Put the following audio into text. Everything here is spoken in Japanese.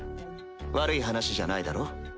悪い話じゃないだろ？